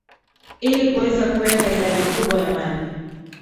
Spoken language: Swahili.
Ili kuweza kuweka idadi kubwa ya maji